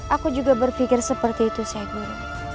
aku juga berpikir seperti itu seh guru